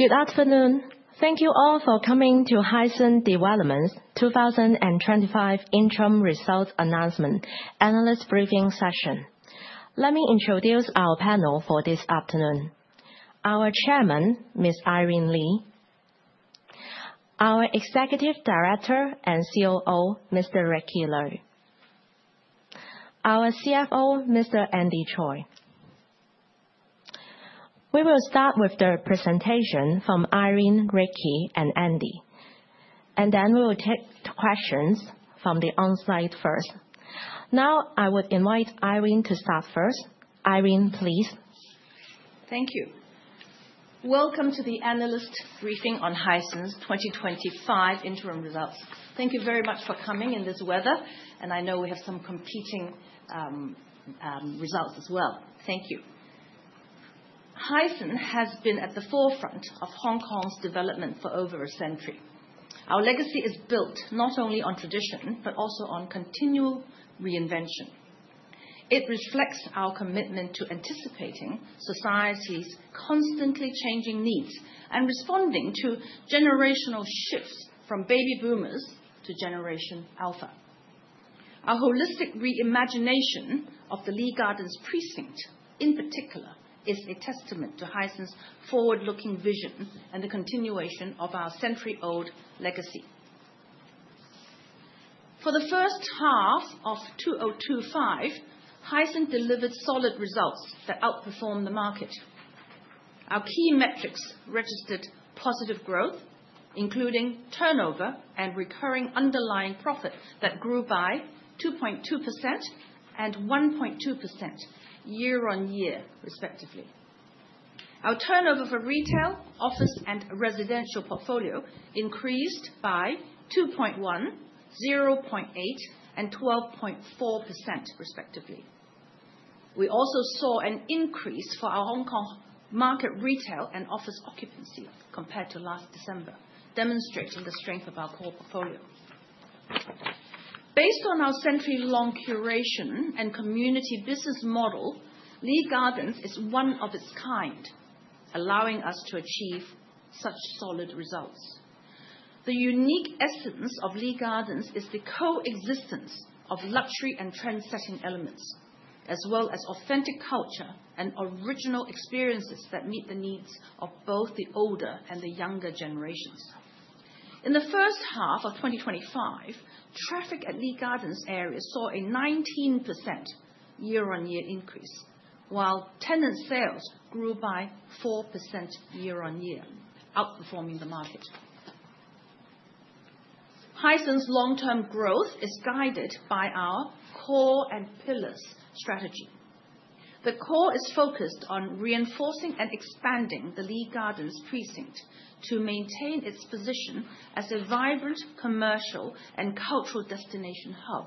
Good afternoon. Thank you all for coming to Hysan Development Company Limited's 2025 Interim Results Announcement Analyst Briefing Session. Let me introduce our panel for this afternoon: our Chairman, Ms. Irene Yun-Lien Lee, our Executive Director and COO, Mr. Kon Wai Ricky Lui, and our CFO, Mr. Yick Lam Andy Choi. We will start with the presentation from Irene, Ricky, and Andy, and then we will take questions from the onsite first. Now, I would invite Irene to start first. Irene, please. Thank you. Welcome to the analyst briefing on Hysan Development Company Limited's 2025 interim results. Thank you very much for coming in this weather, and I know we have some competing results as well. Thank you. Hysan has been at the forefront of Hong Kong's development for over a century. Our legacy is built not only on tradition but also on continual reinvention. It reflects our commitment to anticipating society's constantly changing needs and responding to generational shifts from baby boomers to generation alpha. Our holistic reimagination of the Lee Gardens Precinct, in particular, is a testament to Hysan's forward-looking vision and a continuation of our century-old legacy. For the first half of 2025, Hysan delivered solid results that outperformed the market. Our key metrics registered positive growth, including turnover and recurring underlying profits that grew by 2.2% and 1.2% year-on-year, respectively. Our turnover for retail, office, and residential portfolio increased by 2.1%, 0.8%, and 12.4%, respectively. We also saw an increase for our Hong Kong market retail and office occupancy compared to last December, demonstrating the strength of our core portfolio. Based on our century-long curation and community business model, Lee Gardens is one of its kind, allowing us to achieve such solid results. The unique essence of Lee Gardens is the coexistence of luxury and transcendent elements, as well as authentic culture and original experiences that meet the needs of both the older and the younger generations. In the first half of 2025, traffic at Lee Gardens area saw a 19% year-on-year increase, while tenant sales grew by 4% year-on-year, outperforming the market. Hysan's long-term growth is guided by our core and pillars strategy. The core is focused on reinforcing and expanding the Lee Gardens Precinct to maintain its position as a vibrant commercial and cultural destination hub.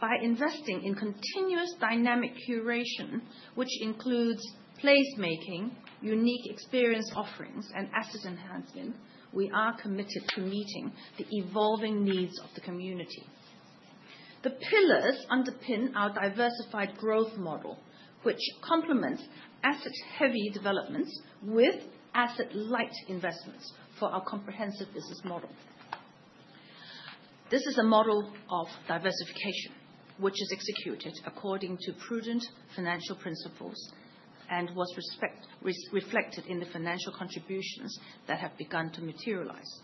By investing in continuous dynamic curation, which includes placemaking, unique experience offerings, and asset enhancement, we are committed to meeting the evolving needs of the community. The pillars underpin our diversified growth model, which complements asset-heavy developments with asset-light investments for our comprehensive business model. This is a model of diversification, which is executed according to prudent financial principles and was reflected in the financial contributions that have begun to materialize.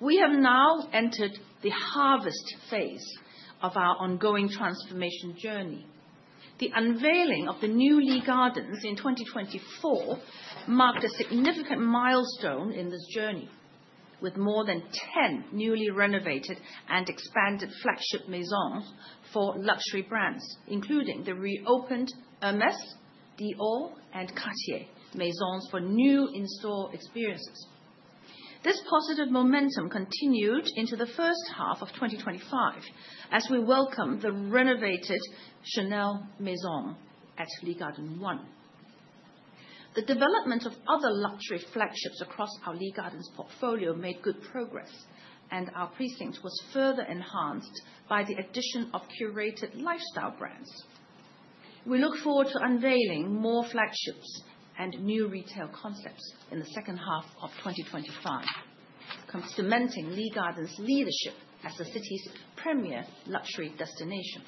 We have now entered the harvest phase of our ongoing transformation journey. The unveiling of the new Lee Gardens in 2024 marked a significant milestone in this journey, with more than 10 newly renovated and expanded flagship maisons for luxury brands, including the reopened Hermès, Dior, and Cartier, maisons for new in-store experiences. This positive momentum continued into the first half of 2025, as we welcomed the renovated Chanel maison at Lee Gardens 1. The development of other luxury flagships across our Lee Gardens portfolio made good progress, and our precinct was further enhanced by the addition of curated lifestyle brands. We look forward to unveiling more flagships and new retail concepts in the second half of 2025, cementing Lee Gardens' leadership as the city's premier luxury destination.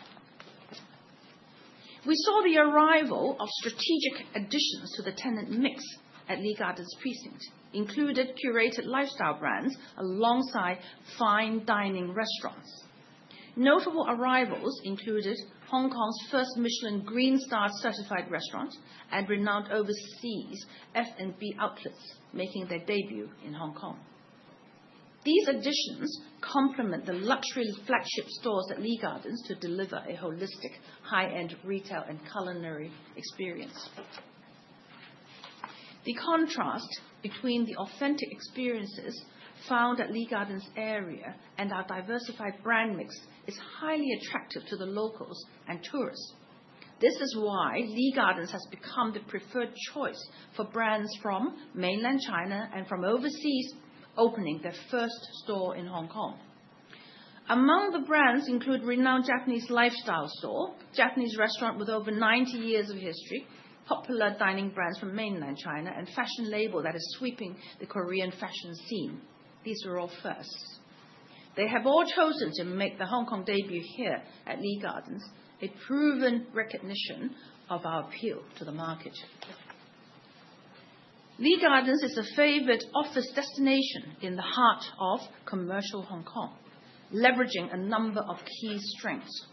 We saw the arrival of strategic additions to the tenant mix at Lee Gardens Precinct, including curated lifestyle brands alongside fine dining restaurants. Notable arrivals included Hong Kong's first Michelin Green Star-certified restaurant and renowned overseas F&B outlets, making their debut in Hong Kong. These additions complement the luxury flagship stores at Lee Gardens to deliver a holistic high-end retail and culinary experience. The contrast between the authentic experiences found at Lee Gardens area and our diversified brand mix is highly attractive to the locals and tourists. This is why Lee Gardens has become the preferred choice for brands from mainland China and from overseas, opening their first store in Hong Kong. Among the brands include renowned Japanese lifestyle store, Japanese restaurant with over 90 years of history, popular dining brands from mainland China, and fashion label that is sweeping the Korean fashion scene. These are all firsts. They have all chosen to make their Hong Kong debut here at Lee Gardens, a proven recognition of our appeal for the market. Lee Gardens is a favorite office destination in the heart of commercial Hong Kong, leveraging a number of key strengths.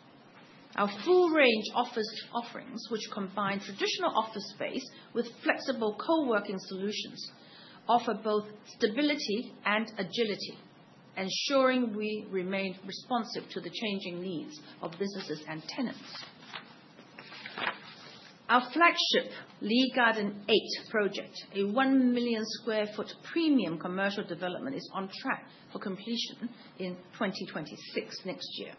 Our full-range office offerings, which combine traditional office space with flexible coworking solutions, offer both stability and agility, ensuring we remain responsive to the changing needs of businesses and tenants. Our flagship Lee Garden 8 project, a 1 million sq ft premium commercial development, is on track for completion in 2026 next year.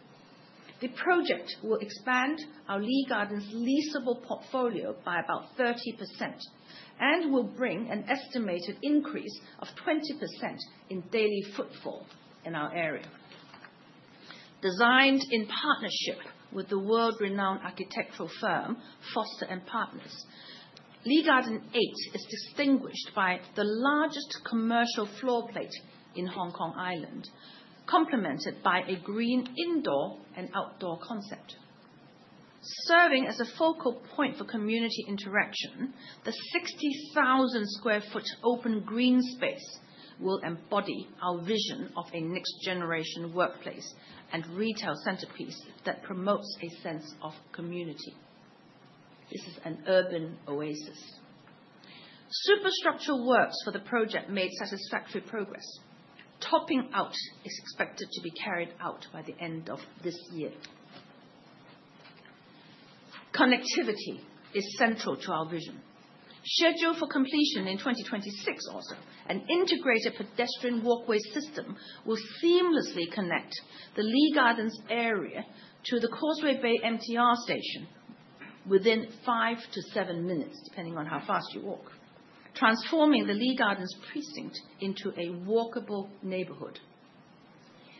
The project will expand our Lee Gardens leasable portfolio by about 30% and will bring an estimated increase of 20% in daily footfall in our area. Designed in partnership with the world-renowned architectural firm Foster + Partners, Lee Garden 8 is distinguished by the largest commercial floor plate in Hong Kong Island, complemented by a green indoor and outdoor concept. Serving as a focal point for community interaction, the 60,000 sq ft open green space will embody our vision of a next-generation workplace and retail centerpiece that promotes a sense of community. This is an urban oasis. Superstructural works for the project made satisfactory progress, topping out expected to be carried out by the end of this year. Connectivity is central to our vision. Scheduled for completion in 2026 also, an integrated pedestrian walkway system will seamlessly connect the Lee Gardens area to the Causeway Bay MTR station within five to seven minutes, depending on how fast you walk, transforming the Lee Gardens Precinct into a walkable neighborhood.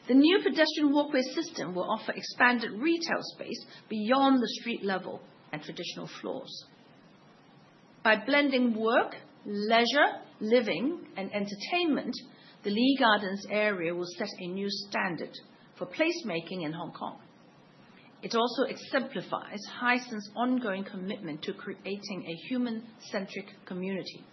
The new pedestrian walkway system will offer expanded retail space beyond the street level and traditional floors. By blending work, leisure, living, and entertainment, the Lee Gardens area will set a new standard for placemaking in Hong Kong. It also exemplifies Hysan's ongoing commitment to creating a human-centric community.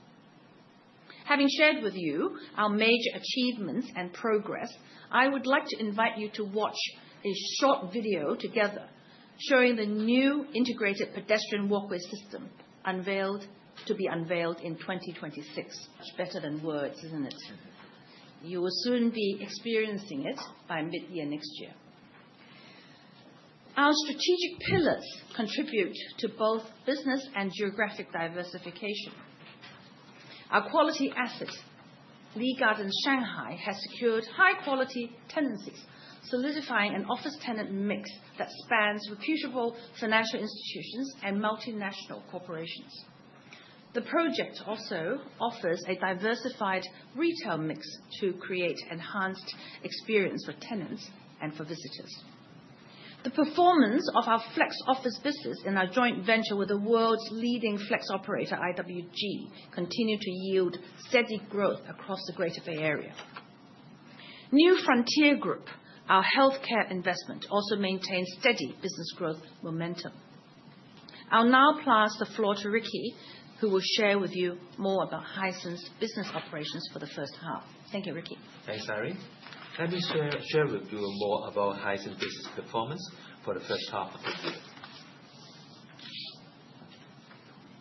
Having shared with you our major achievements and progress, I would like to invite you to watch a short video together showing the new integrated pedestrian walkway system unveiled to be unveiled in 2026. It's better than words, isn't it? You will soon be experiencing it by mid-year next year. Our strategic pillars contribute to both business and geographic diversification. Our quality assets, Lee Gardens Shanghai, has secured high-quality tenancies, solidifying an office tenant mix that spans reputable financial institutions and multinational corporations. The project also offers a diversified retail mix to create enhanced experience for tenants and for visitors. The performance of our flex office business in our joint venture with the world's leading flex operator, IWG, continues to yield steady growth across the Greater Bay Area. New Frontier Group, our healthcare investment, also maintains steady business growth momentum. I'll now pass the floor to Ricky, who will share with you more about Hysan's business operations for the first half. Thank you, Ricky. Thanks, Irene. Let me share with you more about Hysan's business performance for the first half of the year,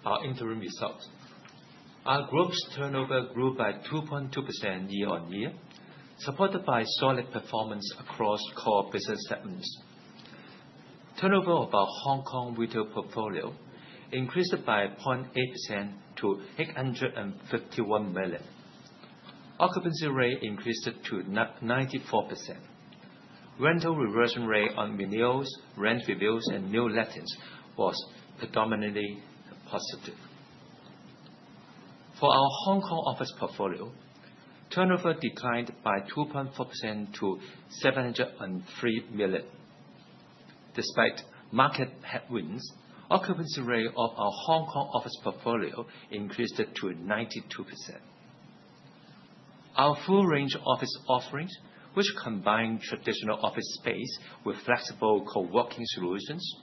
our interim results. Our group's turnover grew by 2.2% year-on-year, supported by solid performance across core business segments. Turnover of our Hong Kong retail portfolio increased by 0.8% to 851 million. Occupancy rate increased to 94%. Rental reversion rate on renewals, rent reviews, and new leases was predominantly positive. For our Hong Kong office portfolio, turnover declined by 2.4% to 703 million. Despite market headwinds, occupancy rate of our Hong Kong office portfolio increased to 92%. Our full-range office offerings, which combine traditional office space with flexible coworking solutions,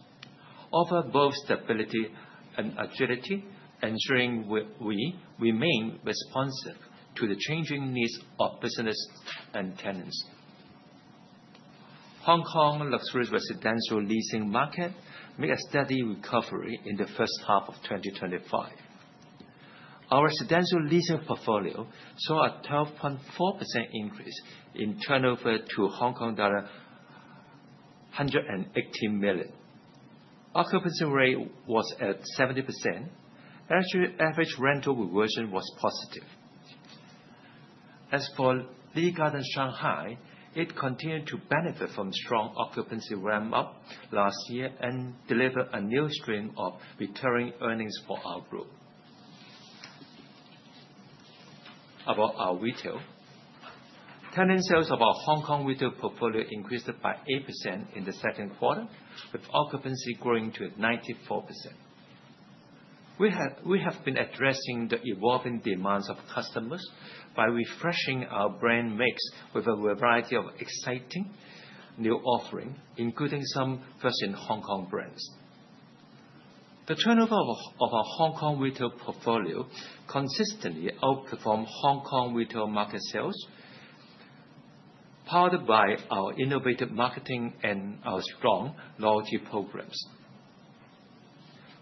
offer both stability and agility, ensuring we remain responsive to the changing needs of business and tenants. Hong Kong luxury residential leasing market made a steady recovery in the first half of 2024. Our residential leasing portfolio saw a 12.4% increase in turnover to Hong Kong dollar 118 million. Occupancy rate was at 70%, as your average rental reversion was positive. As for Lee Gardens Shanghai, it continued to benefit from strong occupancy ramp-up last year and delivered a new stream of recurring earnings for our group. About our retail, tenant sales of our Hong Kong retail portfolio increased by 8% in the second quarter, with occupancy growing to 94%. We have been addressing the evolving demands of customers by refreshing our brand mix with a variety of exciting new offerings, including some first-in-Hong Kong brands. The turnover of our Hong Kong retail portfolio consistently outperformed Hong Kong retail market sales, powered by our innovative marketing and our strong loyalty programs.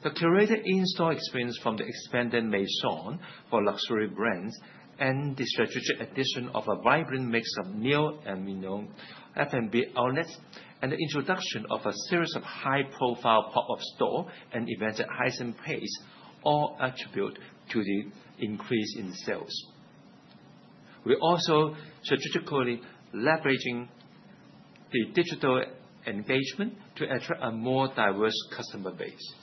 The curated in-store experience from the expanded maison for luxury brands and the strategic addition of a vibrant mix of new and renowned F&B outlets, and the introduction of a series of high-profile pop-up stores and events at Hysan Place, all attribute to the increase in sales. We're also strategically leveraging the digital engagement to attract a more diverse customer base.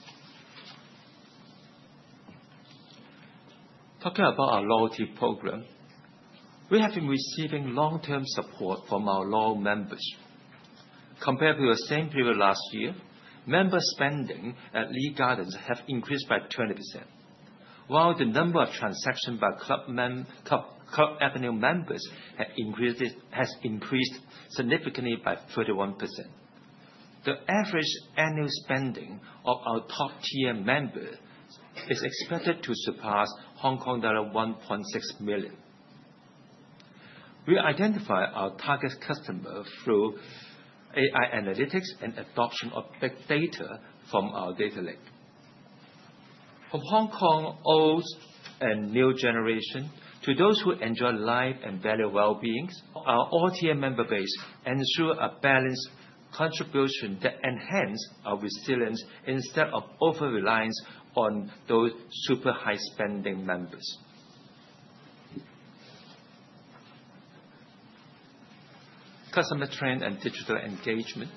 Talking about our loyalty program, we have been receiving long-term support from our loyal members. Compared to the same period last year, member spending at Lee Gardens has increased by 20%, while the number of transactions by Club Avenue members has increased significantly by 31%. The average annual spending of our top-tier members is expected to surpass Hong Kong dollar 1.6 million. We identify our target customer through AI analytics and adoption of big data from our data lake. From Hong Kong old and new generations to those who enjoy life and value well-being, our all-tier member base ensures a balanced contribution that enhances our resilience instead of over-reliance on those super high-spending members. Customer trend and digital engagement.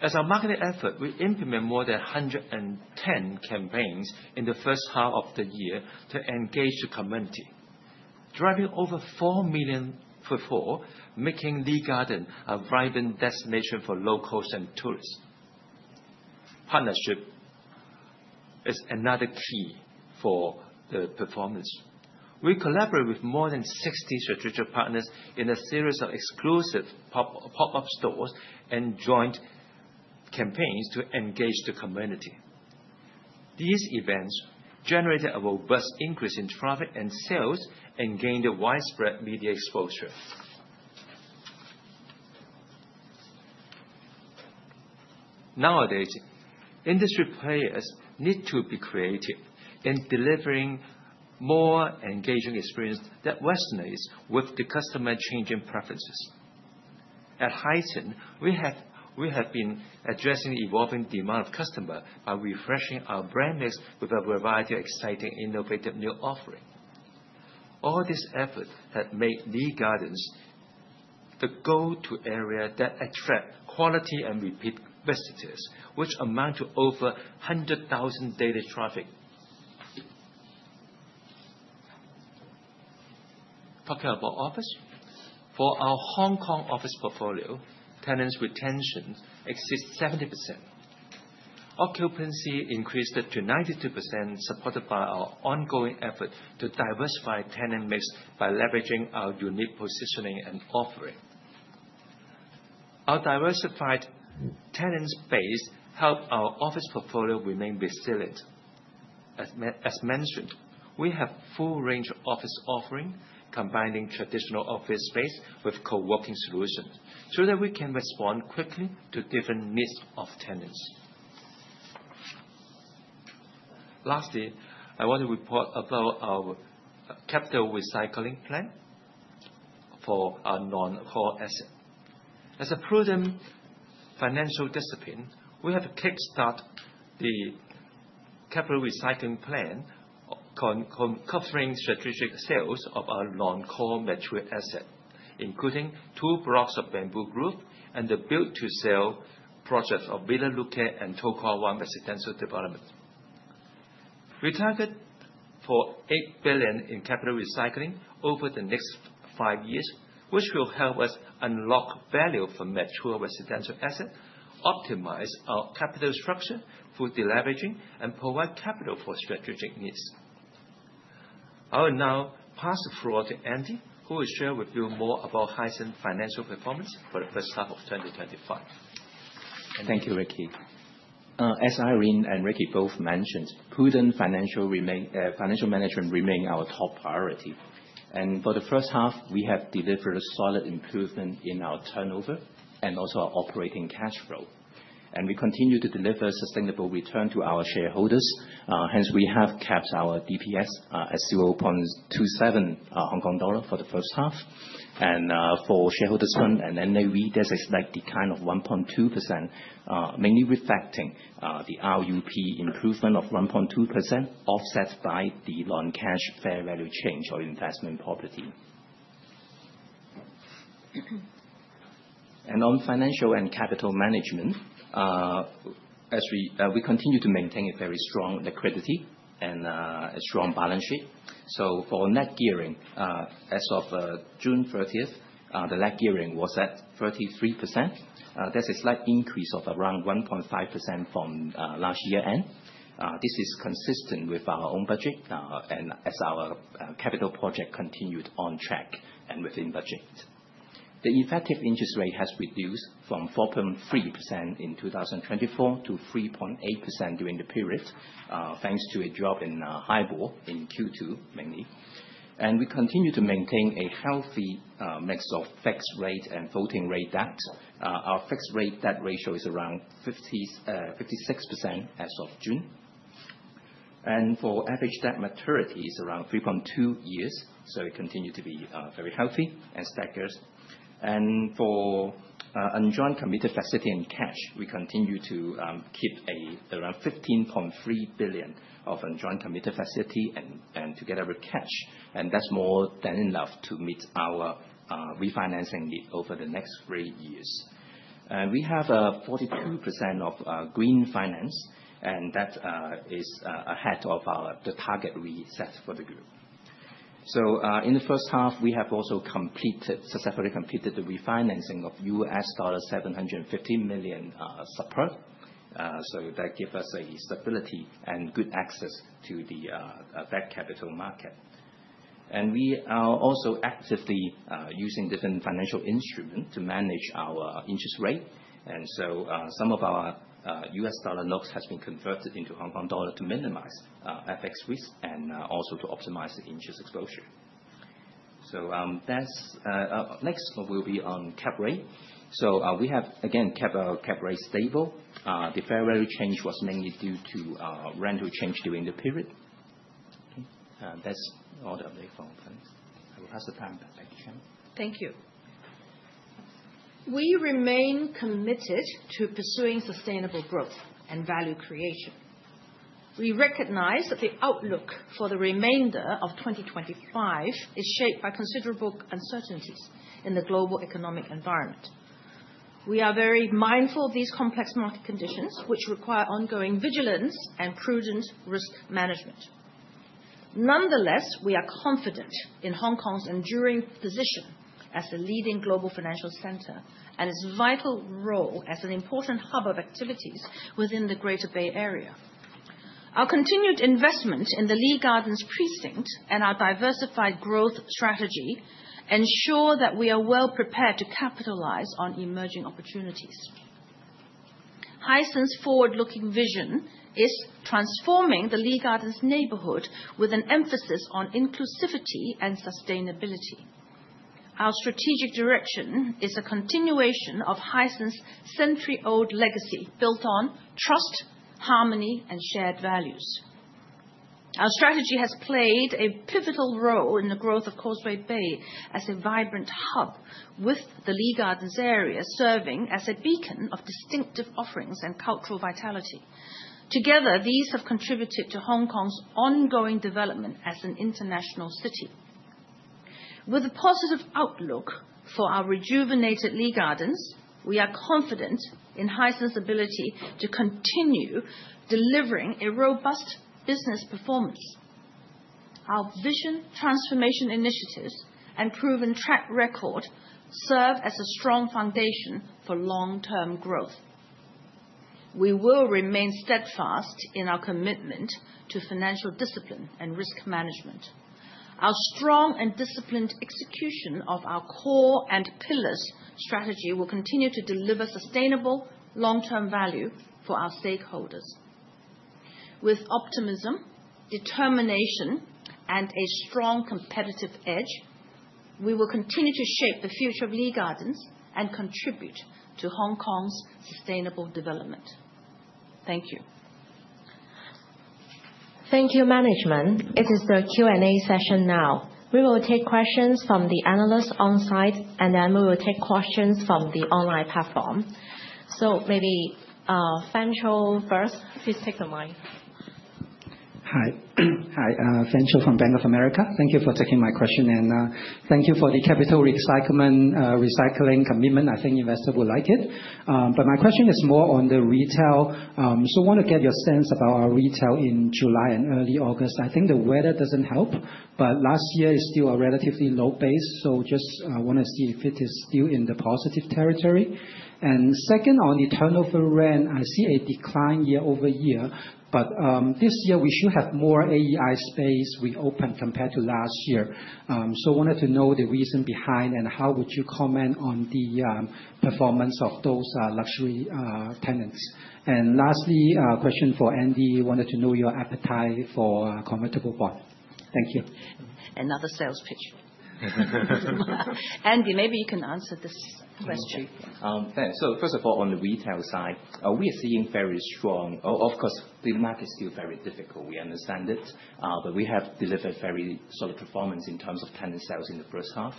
As a marketing effort, we implemented more than 110 campaigns in the first half of the year to engage the community, driving over 4 million footfall, making Lee Gardens a vibrant destination for locals and tourists. Partnership is another key for the performance. We collaborate with more than 60 strategic partners in a series of exclusive pop-up stores and joint campaigns to engage the community. These events generated a robust increase in traffic and sales and gained widespread media exposure. Nowadays, industry players need to be creative in delivering more engaging experiences that resonate with the customer's changing preferences. At Hysan, we have been addressing the evolving demand of customers by refreshing our brand mix with a variety of exciting, innovative new offerings. All this effort has made Lee Gardens the go-to area that attracts quality and repeat visitors, which amount to over 100,000 daily traffic. Talking about office, for our Hong Kong office portfolio, tenants' retention exceeds 70%. Occupancy increased to 92%, supported by our ongoing efforts to diversify tenant mix by leveraging our unique positioning and offering. Our diversified tenant base helps our office portfolio remain resilient. As mentioned, we have a full-range office offerings, combining traditional office space with coworking solutions so that we can respond quickly to different needs of tenants. Lastly, I want to report about our capital recycling plan for our non-core assets. As a prudent financial discipline, we have kickstarted the capital recycling plan, conquering strategic sales of our non-core material assets, including two blocks of Bamboo Grove and the build-to-sell projects of Villa Lucca and Tokau One residential developments. We're targeting for 8 billion in capital recycling over the next five years, which will help us unlock value for mature residential assets, optimize our capital structure for deleveraging, and provide capital for strategic needs. I will now pass the floor to Andy, who will share with you more about Hysan's financial performance for the first half of 2025. Thank you, Ricky. As Irene and Ricky both mentioned, prudent financial management remains our top priority. For the first half, we have delivered a solid improvement in our turnover and also our operating cash flow. We continue to deliver a sustainable return to our shareholders. Hence, we have capped our DPS at 0.27 Hong Kong dollar for the first half. For shareholders' fund and NAV, this is like the kind of 1.2%, mainly reflecting the RUP improvement of 1.2% offset by the non-cash fair value change or investment property. On financial and capital management, we continue to maintain a very strong liquidity and a strong balance sheet. For net gearing, as of June 30th, the net gearing was at 33%. That's a slight increase of around 1.5% from last year's end. This is consistent with our own budget, as our capital project continued on track and within budget. The effective interest rate has reduced from 4.3% in 2024 to 3.8% during the periods, thanks to a drop in HIBOR in Q2, mainly. We continue to maintain a healthy mix of fixed rate and floating rate debt. Our fixed rate debt ratio is around 56% as of June. For average debt maturity, it's around 3.2 years. It continues to be very healthy and stackers. For unjoined committed facility and cash, we continue to keep around 15.3 billion of unjoined committed facility and together with cash. That's more than enough to meet our refinancing need over the next three years. We have a 42% of green finance, and that is ahead of the target we set for the group. In the first half, we have also successfully completed the refinancing of $750 million support. That gives us a stability and good access to the debt capital market. We are also actively using different financial instruments to manage our interest rate. Some of our USD loans have been converted into HKD to minimize FX risk and also to optimize the interest exposure. Next, we'll be on cap rate. We have, again, kept our cap rate stable. The fair value change was mainly due to rental change during the period. That's all the updates from the panel. Have a rest of the time, thank you, Chaiman. Thank you. We remain committed to pursuing sustainable growth and value creation. We recognize that the outlook for the remainder of 2025 is shaped by considerable uncertainties in the global economic environment. We are very mindful of these complex market conditions, which require ongoing vigilance and prudent risk management. Nonetheless, we are confident in Hong Kong's enduring position as the leading global financial center and its vital role as an important hub of activities within the Greater Bay Area. Our continued investment in the Lee Gardens Precinct and our diversified growth strategy ensure that we are well prepared to capitalize on emerging opportunities. Hysan's forward-looking vision is transforming the Lee Gardens neighborhood with an emphasis on inclusivity and sustainability. Our strategic direction is a continuation of Hysan's century-old legacy built on trust, harmony, and shared values. Our strategy has played a pivotal role in the growth of Causeway Bay as a vibrant hub, with the Lee Gardens area serving as a beacon of distinctive offerings and cultural vitality. Together, these have contributed to Hong Kong's ongoing development as an international city. With a positive outlook for our rejuvenated Lee Gardens, we are confident in Hysan's ability to continue delivering a robust business performance. Our vision, transformation initiatives, and proven track record serve as a strong foundation for long-term growth. We will remain steadfast in our commitment to financial discipline and risk management. Our strong and disciplined execution of our core and pillars strategy will continue to deliver sustainable long-term value for our stakeholders. With optimism, determination, and a strong competitive edge, we will continue to shape the future of Lee Gardens and contribute to Hong Kong's sustainable development. Thank you. Thank you, management. It is the Q&A session now. We will take questions from the analysts onsite, and then we will take questions from the online platform. Maybe Fan Tso first. Please take the mic. Hi. Hi, Fan Tso from Bank of America. Thank you for taking my question, and thank you for the capital recycling commitment. I think investors would like it. My question is more on the retail. I want to get your sense about our retail in July and early August. I think the weather doesn't help, but last year is still a relatively low base. I just want to see if it is still in the positive territory. Second, on the turnover rent, I see a decline year-over-year, but this year we should have more AEI space reopened compared to last year. I wanted to know the reason behind and how would you comment on the performance of those luxury tenants? Lastly, a question for Andy. I wanted to know your appetite for convertible bonds. Thank you. Another sales pitch? Andy, maybe you can answer this question. Thanks. First of all, on the retail side, we are seeing very strong. Of course, the market is still very difficult. We understand it. We have delivered very solid performance in terms of tenant sales in the first half.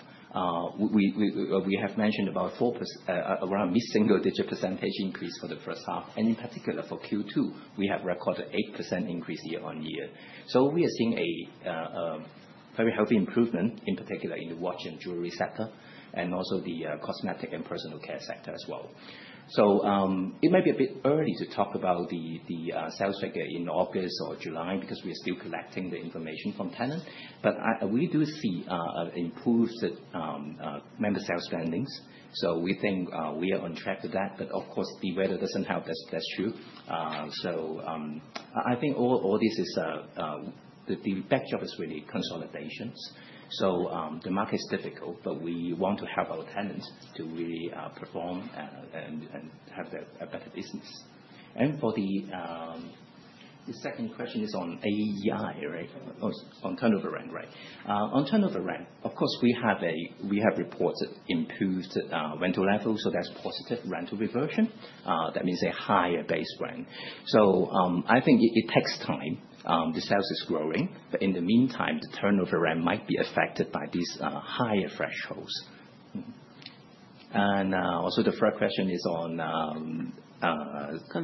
We have mentioned about 4% around mid-single-digit percentage increase for the first half. In particular, for Q2, we have recorded an 8% increase year-on-year. We are seeing a very healthy improvement, in particular in the watch and jewelry sector, and also the cosmetic and personal care sector as well. It might be a bit early to talk about the sales figure in August or July because we are still collecting the information from tenants. We do see improved member sales spendings. We think we are on track with that. The weather doesn't help. That's true. All this is the backdrop is really consolidations. The market is difficult, but we want to help our tenants to really perform and have a better business. The second question is on AEI, right? On turnover rent, right? On turnover rent, we have reported improved rental levels. That's positive rental reversion. That means a higher base rent. It takes time. The sales is growing. In the meantime, the turnover rent might be affected by these higher thresholds. The third question is on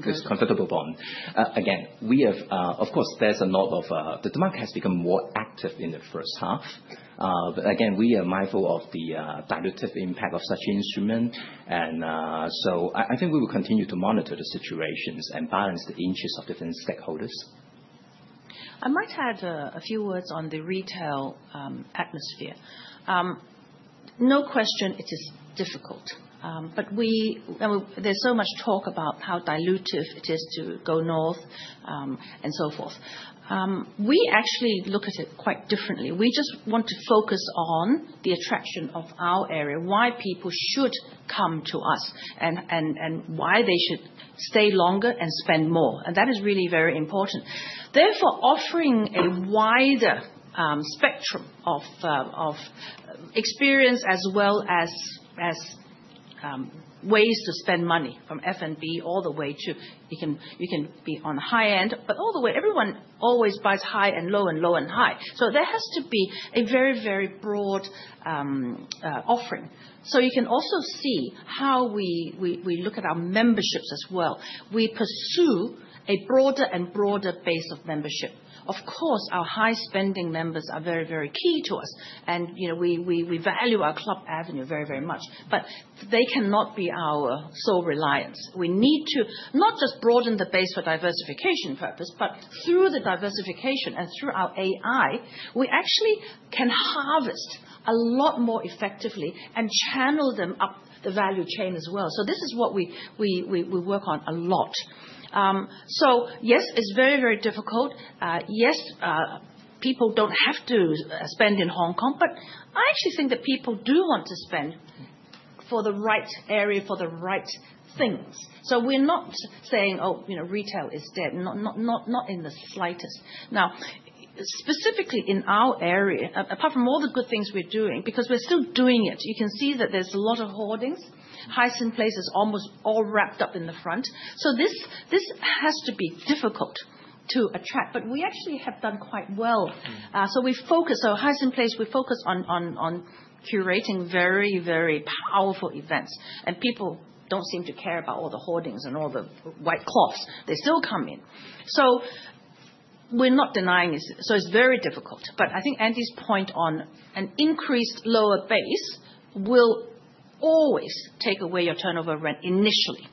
this convertible bond. Convertible bond. We have, of course, there's a lot of the demand has become more active in the first half. We are mindful of the dilutive impact of such instruments, and I think we will continue to monitor the situations and balance the interests of different stakeholders. I might add a few words on the retail atmosphere. No question, it is difficult. There is so much talk about how dilutive it is to go north and so forth. We actually look at it quite differently. We just want to focus on the attraction of our area, why people should come to us, and why they should stay longer and spend more. That is really very important. Therefore, offering a wider spectrum of experience as well as ways to spend money, from F&B all the way to you can be on the high end, but all the way, everyone always buys high and low and low and high. There has to be a very, very broad offering. You can also see how we look at our memberships as well. We pursue a broader and broader base of membership. Of course, our high-spending members are very, very key to us. You know we value our Club Avenue very, very much. They cannot be our sole reliance. We need to not just broaden the base for diversification purpose, but through the diversification and through our AI, we actually can harvest a lot more effectively and channel them up the value chain as well. This is what we work on a lot. Yes, it's very, very difficult. Yes, people don't have to spend in Hong Kong, but I actually think that people do want to spend for the right area, for the right thing. We're not saying, "Oh, you know retail is dead." Not in the slightest. Specifically in our area, apart from all the good things we're doing, because we're still doing it, you can see that there's a lot of hoardings. Hysan Place is almost all wrapped up in the front. This has to be difficult to attract. We actually have done quite well. Hysan Place, we focus on curating very, very powerful events. People don't seem to care about all the hoardings and all the white cloths. They still come in. We're not denying it. It's very difficult. I think Andy's point on an increased lower base will always take away your turnover rent initially.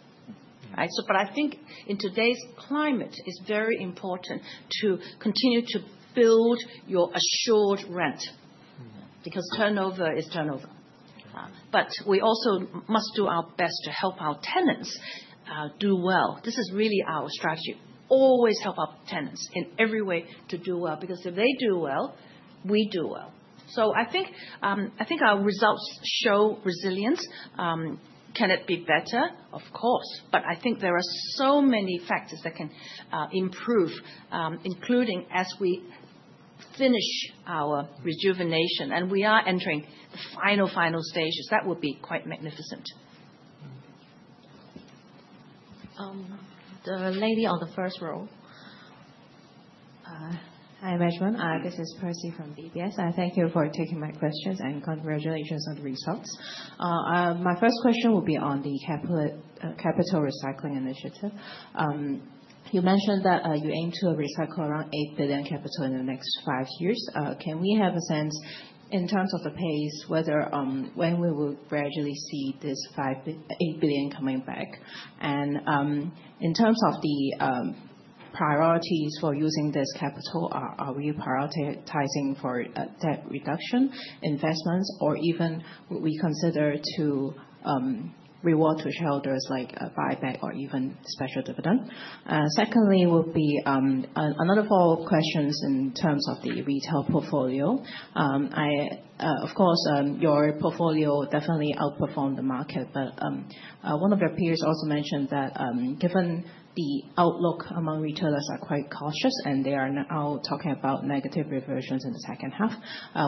In today's climate, it's very important to continue to build your assured rent because turnover is turnover. We also must do our best to help our tenants do well. This is really our strategy. Always help our tenants in every way to do well because if they do well, we do well. I think our results show resilience. Can it be better? Of course. There are so many factors that can improve, including as we finish our rejuvenation and we are entering the final, final stages. That would be quite magnificent. The lady on the first row. Hi, management. This is Percy from DBS. I thank you for taking my questions and congratulations on the results. My first question will be on the capital recycling initiative. You mentioned that you aim to recycle around 8 billion capital in the next five years. Can we have a sense in terms of the pace, whether when we will gradually see this 5 billion, 8 billion coming back? In terms of the priorities for using this capital, are we prioritizing for debt reduction, investments, or even would we consider to reward to shareholders like buyback or even special dividend? Secondly, would be another follow-up question in terms of the retail portfolio. I, of course, your portfolio definitely outperformed the market, but one of your peers also mentioned that given the outlook among retailers are quite cautious and they are now talking about negative reversions in the second half,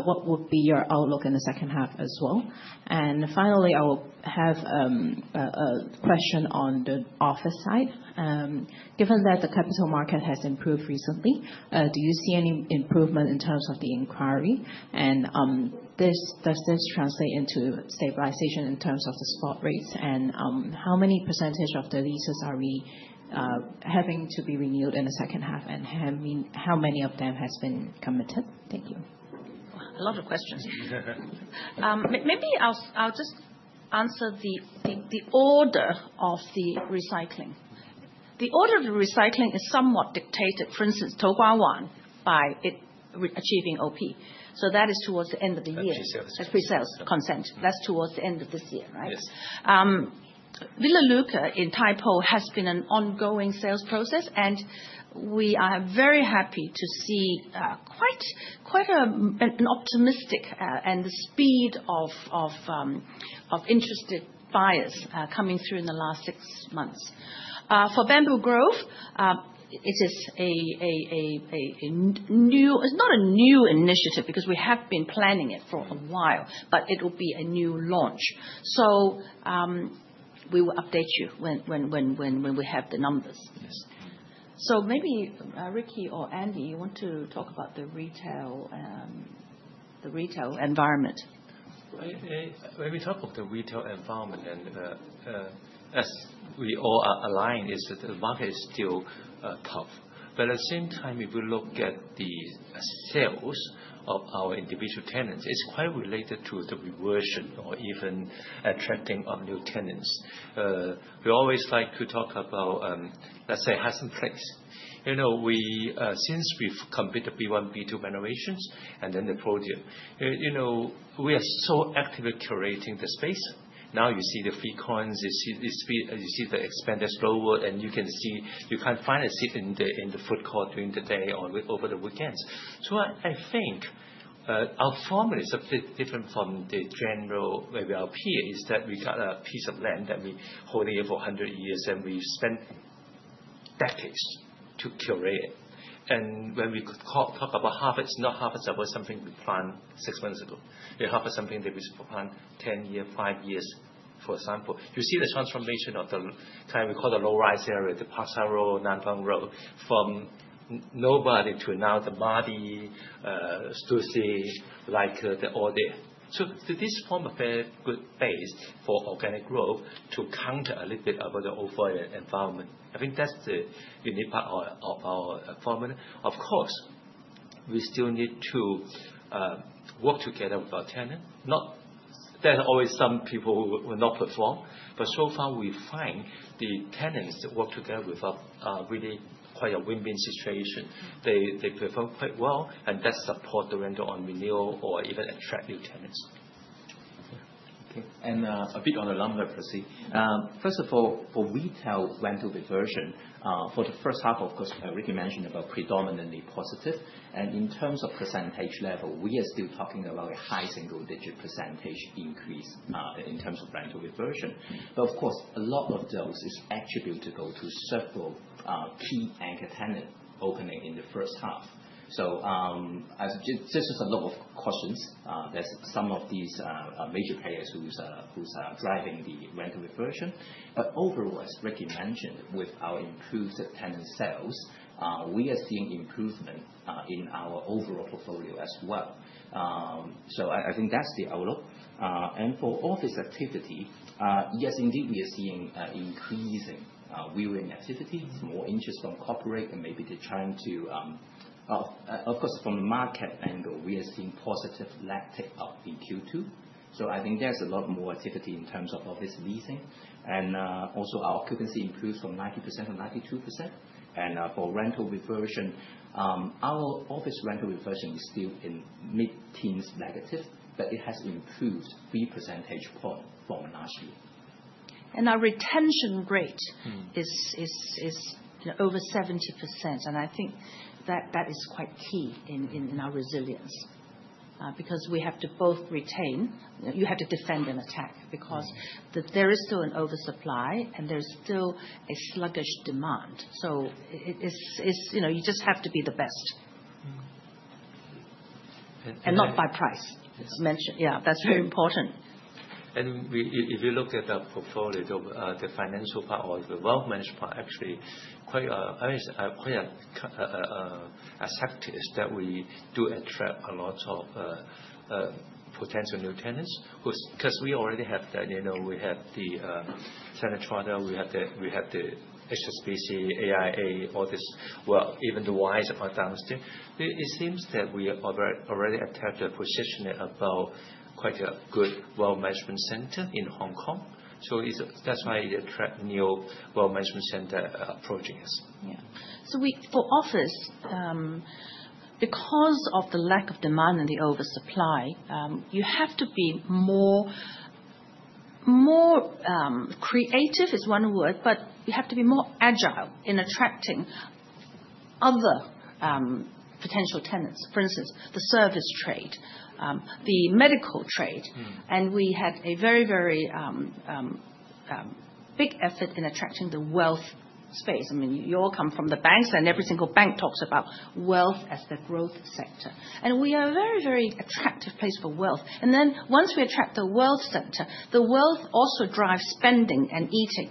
what would be your outlook in the second half as well? Finally, I will have a question on the office side. Given that the capital market has improved recently, do you see any improvement in terms of the inquiry? Does this translate into stabilization in terms of the spot rates? How many percentage of the leases are we having to be renewed in the second half and how many of them have been committed? Thank you. A lot of questions. Maybe I'll just answer the order of the recycling. The order of the recycling is somewhat dictated. For instance, [Tokau One] by achieving OP. That is towards the end of the year. Free sales. Free sales, consent. That's towards the end of this year, right? Yes. Villa Lucca in Tai Po has been an ongoing sales process, and we are very happy to see quite an optimistic and the speed of interested buyers coming through in the last six months. For Bamboo Grove, it is not a new initiative because we have been planning it for a while, but it will be a new launch. We will update you when we have the numbers. Maybe Ricky or Andy, you want to talk about the retail environment? Maybe talk about the retail environment. As we all are aligned, the market is still tough. At the same time, if we look at the sales of our individual tenants, it's quite related to the reversion or even attracting our new tenants. We always like to talk about, let's say, Hysan Place. Since we've completed B1, B2 renovations, and then the project, we are so actively curating the space. Now you see the free corns, you see the expanded floor, and you can see you can't find a seat in the food court during the day or over the weekends. I think our form is a bit different from the general, maybe our peer, in that we got a piece of land that we're holding for 100 years, and we spent decades to curate it. When we talk about half, it's not half, it's about something we planned six months ago. It's half of something that we planned 10 years, five years, for example. You see the transformation of the kind of, we call the low-rise area, the Pasar Row, Nanfang Road, from nobody to now the Mardi, Stu Si, like the all day. This form of fair good space for organic growth counters a little bit of the old-fire environment. I think that's the unique part of our formula. Of course, we still need to work together with our tenant. There's always some people who will not perform. So far, we find the tenants that work together with us are really quite a win-win situation. They perform quite well, and that supports the rental on renewal or even attracting tenants. Okay. A bit on the lumber, Percy. First of all, for retail rental reversion, for the first half, like Ricky mentioned, predominantly positive. In terms of percentage level, we are still talking about a high single-digit percentage increase in terms of rental reversion. A lot of those is attributable to several key anchor tenants opening in the first half. There are a lot of questions. Some of these major players are driving the rental reversion. Overall, as Ricky mentioned, with our improved tenant sales, we are seeing improvements in our overall portfolio as well. I think that's the outlook. For office activity, yes, indeed, we are seeing increasing viewing activities, more interest on corporate, and maybe the time to, of course, from the market angle, we are seeing positive lag tech out in Q2. I think there's a lot more activity in terms of office leasing. Also, our occupancy improved from 90% to 92%. For rental reversion, our office rental reversion is still in mid-teens negative, but it has improved 3 percentage point for last year. Our retention rate is over 70%. I think that is quite key in our resilience because we have to both retain. You have to defend and attack because there is still an oversupply and there's still a sluggish demand. You just have to be the best, and not by price. That's very important. If you look at the portfolio, the financial part or the wealth management part, actually, quite a sector is that we do attract a lot of potential new tenants because we already have that. You know, we have the Santa Clara, we have the HSBC, AIA, all this. Even the Ys are downstream. It seems that we have already attacked the position about quite a good wealth management center in Hong Kong. That's why we attract new wealth management center projects. Yeah. For office, because of the lack of demand and the oversupply, you have to be more creative, is one word, but you have to be more agile in attracting other potential tenants. For instance, the service trade, the medical trade. We had a very, very big asset in attracting the wealth space. I mean, you all come from the banks, and every single bank talks about wealth as the growth sector. We are a very, very attractive place for wealth. Once we attract the wealth sector, the wealth also drives spending and easing.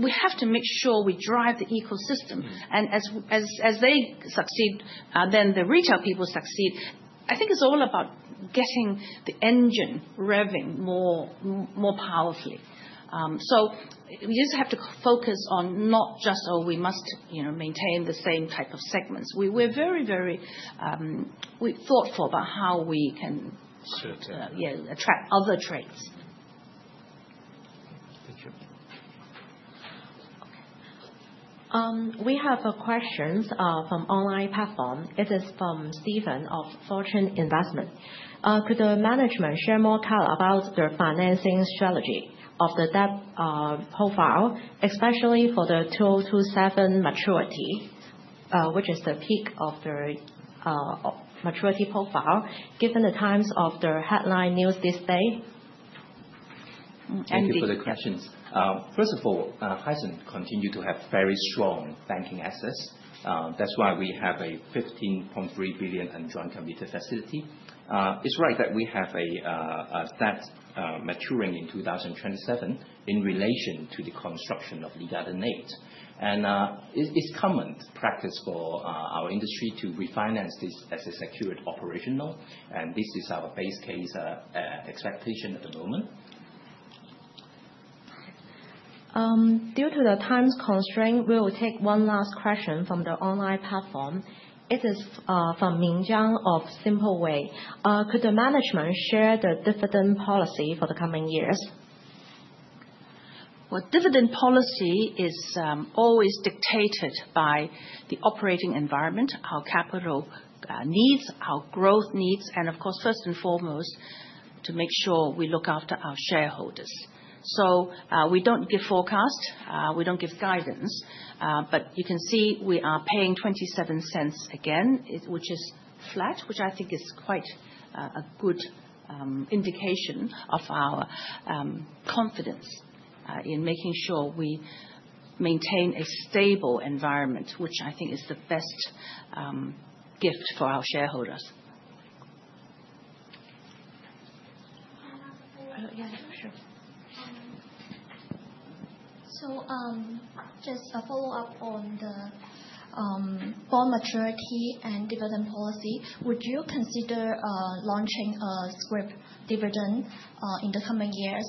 We have to make sure we drive the ecosystem. As they succeed, the retail people succeed. I think it's all about getting the engine revving more powerfully. We just have to focus on not just, "Oh, we must maintain the same type of segments." We're very, very, we're thoughtful about how we can, yeah, attract other trades. We have questions from the online platform. It is from Stephen of Fortune Investment. Could the management share more color about the financing strategy of the debt profile, especially for the 2027 maturity, which is the peak of the maturity profile, given the times of the headline news this day? Thank you for the questions. First of all, Hysan continues to have very strong banking assets. That's why we have a 15.3 billion unjoined committed facility. It's right that we have a SaaS maturing in 2027 in relation to the construction of Lee Garden 8. It's common practice for our industry to refinance this as a secured operational. This is our base case expectation at the moment. Due to the time constraint, we will take one last question from the online platform. It is from Ming Zhang of Simple Way. Could the management share the dividend policy for the coming years? Dividend policy is always dictated by the operating environment, our capital needs, our growth needs, and of course, first and foremost, to make sure we look after our shareholders. We don't give forecasts. We don't give guidance. You can see we are paying 0.27 again, which is flat, which I think is quite a good indication of our confidence in making sure we maintain a stable environment, which I think is the best gift for our shareholders. Yeah, sure. Just a follow-up on the bond maturity and dividend policy. Would you consider launching a scrip dividend in the coming years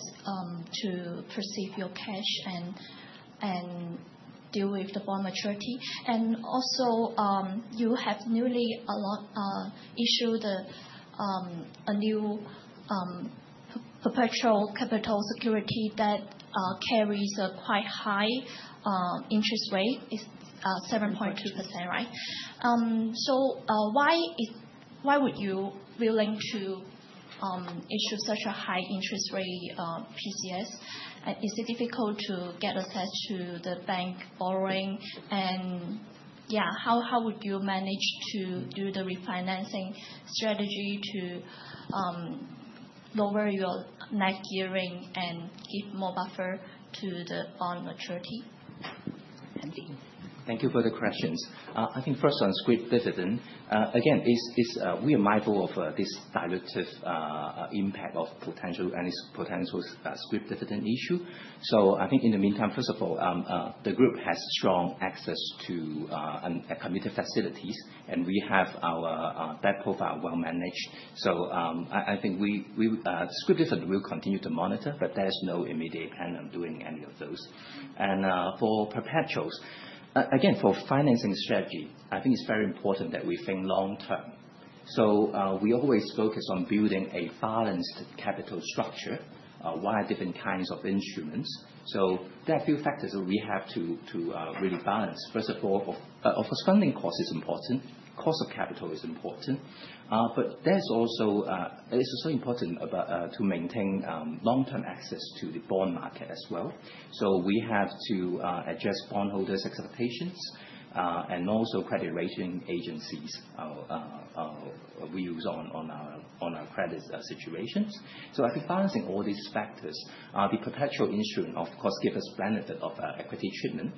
to preserve your cash and deal with the bond maturity? You have newly issued a new perpetual capital security that carries a quite high interest rate. It's 7.2%, right? Why would you be willing to issue such a high interest rate PCS? Is it difficult to get attached to the bank borrowing? How would you manage to do the refinancing strategy to lower your net gearing and give more buffer to the bond maturity? Thank you. Thank you for the questions. I think first on scrip dividend, again, we are mindful of this dilutive impact of potential and its potential scrip dividend issue. I think in the meantime, first of all, the group has strong access to uncommitted facilities, and we have our debt profile well managed. I think scrip dividend will continue to monitor, but there's no immediate plan on doing any of those. For perpetuals, again, for financing strategy, I think it's very important that we think long term. We always focus on building a balanced capital structure, via different kinds of instruments. There are a few factors that we have to really balance. First of all, of course, funding cost is important. Cost of capital is important. It's also important to maintain long-term access to the bond market as well. We have to adjust bondholders' expectations and also credit rating agencies we use on our credit situations. I think balancing all these factors, the perpetual instrument, of course, gives us the benefit of equity treatment.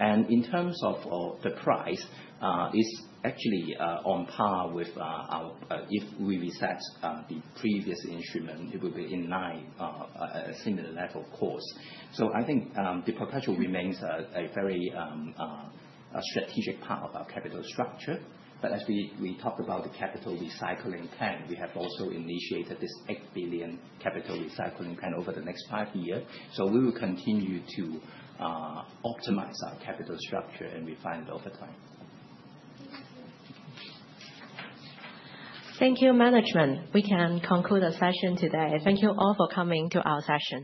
In terms of the price, it's actually on par with our, if we assess the previous instrument, it would be in a similar level, of course. I think the perpetual remains a very strategic part of our capital structure. As we talked about the capital recycling plan, we have also initiated this 8 billion capital recycling plan over the next five years. We will continue to optimize our capital structure and refine it over time. Thank you, management. We can conclude our session today. Thank you all for coming to our session.